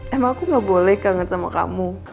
emang aku gak boleh kangen sama kamu